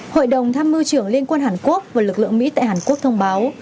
hội đồng tham mưu trưởng liên quân hàn quốc và lực lượng mỹ tại hàn quốc thông báo